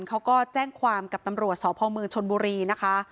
เขาก็แจ้งความกับตำรวจสพมชนบุรีนะคะ